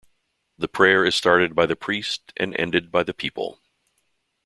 The prayer is started by the priest and ended by the people.